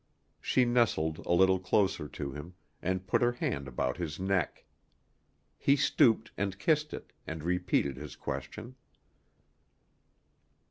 She nestled a little closer to him, and put her hand about his neck. He stooped and kissed it, and repeated his question.